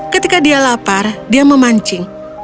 ketika dia lapar dia memancing